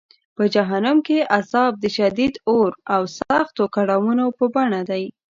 په جهنم کې عذاب د شدید اور او سختو کړاوونو په بڼه دی.